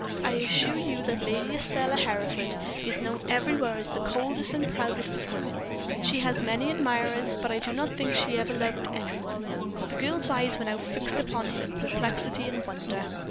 I assure you that Lady Estelle Hereford is known everywhere as the coldest and proudest of women. She has had many admirers, but I do not think she ever loved any one." The girl's eyes were now fixed on him in perplexity and wonder.